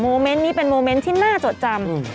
เมนต์นี้เป็นโมเมนต์ที่น่าจดจำ